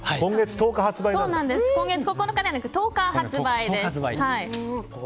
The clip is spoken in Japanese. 今月９日ではなく１０日発売です。